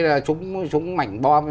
bơi là chúng mảnh bom